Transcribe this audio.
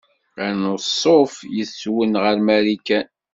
Anṣuf yes-wen ɣer Marikan.